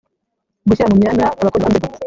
Gushyira mu myanya abakozi bakora mu nzego